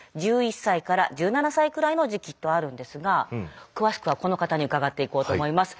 １１歳から１７歳くらいの時期」とあるんですが詳しくはこの方に伺っていこうと思います。